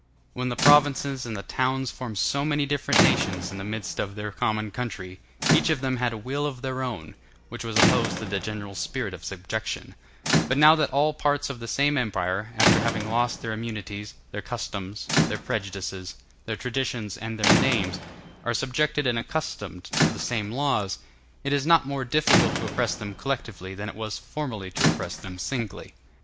When the provinces and the towns formed so many different nations in the midst of their common country, each of them had a will of its own, which was opposed to the general spirit of subjection; but now that all the parts of the same empire, after having lost their immunities, their customs, their prejudices, their traditions, and their names, are subjected and accustomed to the same laws, it is not more difficult to oppress them collectively than it was formerly to oppress them singly.